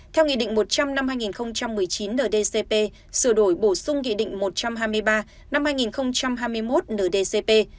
theo nghị định một trăm linh năm hai nghìn một mươi chín ndcp sửa đổi bổ sung nghị định một trăm hai mươi ba năm hai nghìn hai mươi một ndcp